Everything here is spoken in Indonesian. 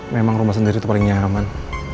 memang rumah sendiri itu paling nyaman